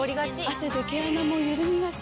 汗で毛穴もゆるみがち。